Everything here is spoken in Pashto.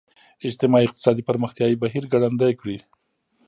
اجتماعي اقتصادي پرمختیايي بهیر ګړندی کړي.